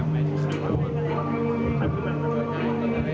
ไม่เคยขออะไรนะครับ